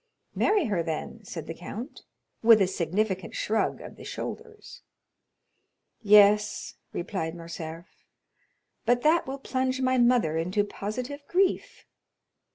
"Marry her then," said the count, with a significant shrug of the shoulders. "Yes," replied Morcerf, "but that will plunge my mother into positive grief."